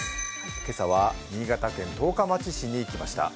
今朝は新潟県十日町市に来ました。